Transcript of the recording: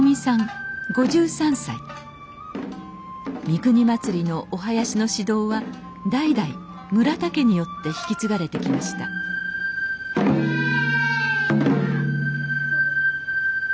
三国祭のお囃子の指導は代々村田家によって引き継がれてきましたえいや！